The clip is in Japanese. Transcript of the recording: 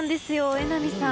榎並さん